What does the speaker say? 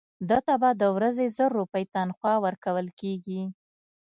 ده ته به د ورځې زر روپۍ تنخوا ورکول کېږي.